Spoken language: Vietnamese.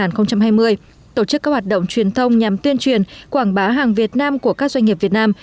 tổ chức các hoạt động truyền thông nhằm tuyên truyền quảng bá hàng việt nam của các doanh nghiệp việt nam